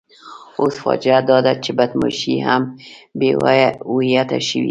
اوس فاجعه داده چې بدماشي هم بې هویته شوې ده.